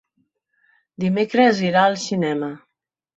Dimecres irà al cinema.